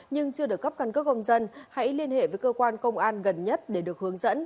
nhưng chưa được cấp căn cước công dân hãy liên hệ với cơ quan công an gần nhất để được hướng dẫn